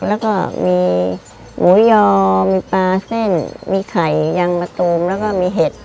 แล้วก็มีหมูยอมีปลาเส้นมีไข่ยังมะตูมแล้วก็มีเห็ด